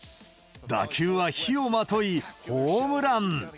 打球は火をまとい、ホームラン。